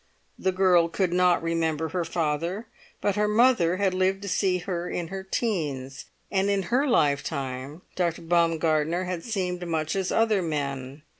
The girl could not remember her father, but her mother had lived to see her in her teens, and in her lifetime Dr. Baumgartner had seemed much as other men.